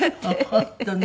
本当ね。